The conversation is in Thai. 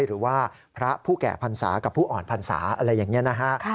หรือว่าพระผู้แก่พันศากับผู้อ่อนพรรษาอะไรอย่างนี้นะฮะ